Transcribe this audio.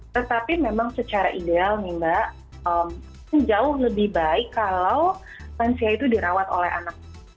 tetapi memang secara ideal nih mbak jauh lebih baik kalau lansia itu dirawat oleh anak